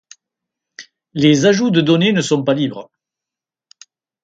Les ajouts de données ne sont pas libres.